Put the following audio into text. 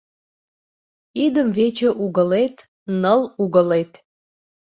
Идымвече угылет — ныл угылет